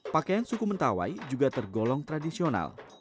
pakaian suku mentawai juga tergolong tradisional